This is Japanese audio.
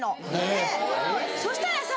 でそしたらさ。